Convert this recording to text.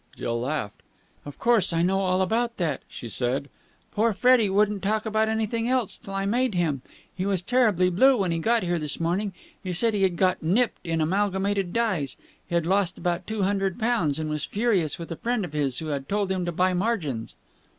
Jill laughed. "Of course I know all about that," she said. "Poor Freddie wouldn't talk about anything else till I made him. He was terribly blue when he got here this afternoon. He said he had got 'nipped' in Amalgamated Dyes. He had lost about two hundred pounds, and was furious with a friend of his who had told him to buy margins."